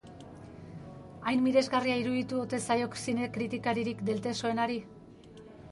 Hain miresgarria iruditu ote zaio zine kritikaririk deltesoenari?